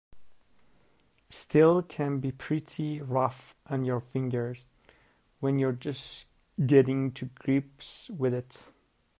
Steel can be pretty rough on your fingers when you're just getting to grips with it.